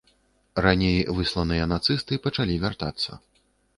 Раней высланыя нацысты пачалі вяртацца.